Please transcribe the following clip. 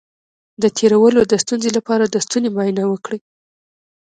د تیرولو د ستونزې لپاره د ستوني معاینه وکړئ